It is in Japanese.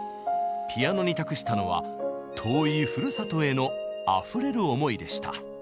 ピアノに託したのは遠いふるさとへのあふれる思いでした。